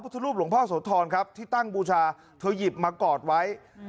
พระพุทธรูปหลวงพ่อโสธรที่ตั้งบูชาเขาหยิบมากอดไว้